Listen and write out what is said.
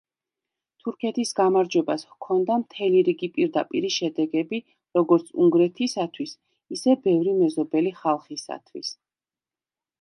თურქეთის გამარჯვებას ჰქონდა მთელი რიგი პირდაპირი შედეგები როგორც უნგრეთისათვის ისე ბევრი მეზობელი ხალხისათვის.